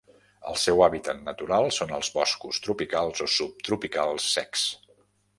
El seu hàbitat natural són els boscos tropicals o subtropicals secs.